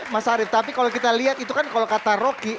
mas arief tapi kalau kita lihat itu kan kalau kata rocky